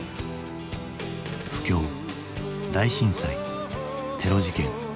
不況大震災テロ事件。